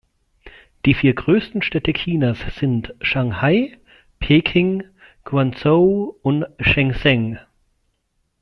Die vier größten Städte Chinas sind Shanghai, Peking, Guangzhou und Shenzhen.